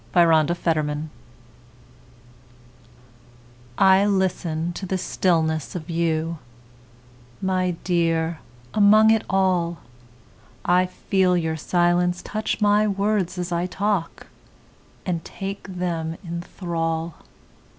Listening I LISTEN to the stillness of you, My dear, among it all;I feel your silence touch my words as I talk, And take them in thrall.